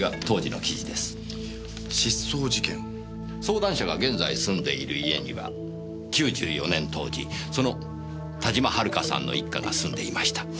相談者が現在住んでいる家には９４年当時その田島遥さんの一家が住んでいました。